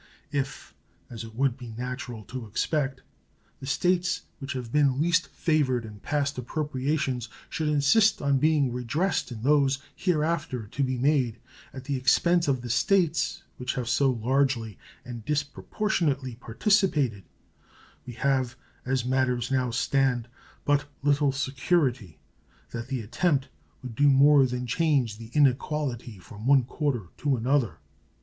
If, as it would be natural to expect, the States which have been least favored in past appropriations should insist on being redressed in those here after to be made, at the expense of the States which have so largely and disproportionately participated, we have, as matters now stand, but little security that the attempt would do more than change the inequality from one quarter to another.